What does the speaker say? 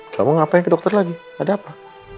kamu ngapain ke dokter lagi ada apa